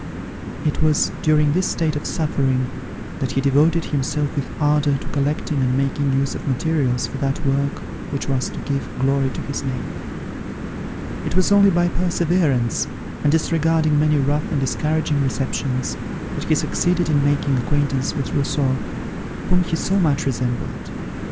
It was during this state of suffering, that he devoted himself with ardour to collecting and making use of materials for that work which was to give glory to his name. It was only by perseverance, and disregarding many rough and discouraging receptions, that he succeeded in making acquaintance with Rousseau, whom he so much resembled.